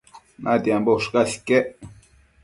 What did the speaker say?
natiambo ushcas iquec